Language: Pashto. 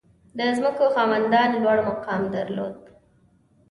• د ځمکو خاوندان لوړ مقام درلود.